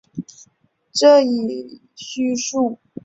这一叙述通常在琐罗亚斯德教的经书中暗示。